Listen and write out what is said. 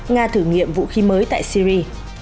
nga thử nghiệm vũ khí mới tại syri